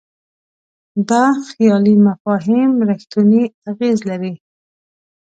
دا خیالي مفاهیم رښتونی اغېز لري.